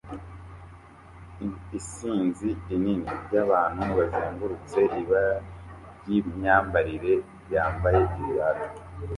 Isinzi rinini ryabantu bazengurutse ibara ryimyambarire yambaye ibara